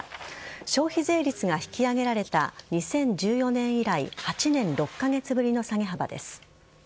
消費税率が引き上げられた２０１４年以来８年６カ月ぶりの下げ幅です。